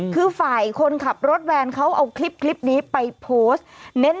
คือฝ่ายคนขับรถแวนเขาเอาคลิปนี้ไปโพสต์